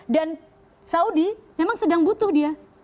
dan saudi memang sedang butuh dia